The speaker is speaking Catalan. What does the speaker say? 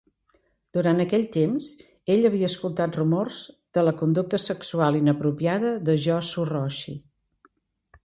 Durant aquell temps, ell havia escoltat rumors de la conducta sexual inapropiada de Joshu Roshi.